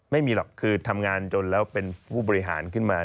ไม่มีหรอกคือทำงานจนแล้วเป็นผู้บริหารขึ้นมา